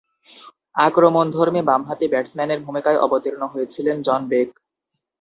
আক্রমণধর্মী বামহাতি ব্যাটসম্যানের ভূমিকায় অবতীর্ণ হয়েছিলেন জন বেক।